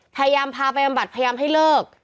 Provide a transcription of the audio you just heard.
พยายามพาไปบำบัดพยายามให้เลิก